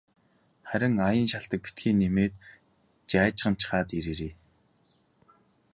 Харин аян шалтаг битгий нэмээд жайжганачхаад ирээрэй.